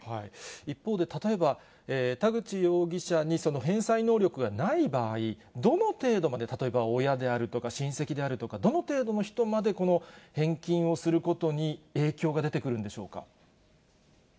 一方で、例えば田口容疑者に返済能力がない場合、どの程度まで、例えば親であるとか、親戚であるとか、どの程度の人まで、この返金をすることに影響が出てくるんでしょうか。